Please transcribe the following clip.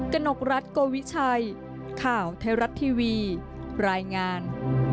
ท่านให้มองเหมือนกัน